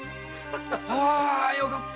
あよかった。